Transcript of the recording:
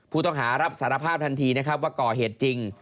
ผู้ต้องหารับสารภาพทันทีนะครับว่าก่อเหตุจริง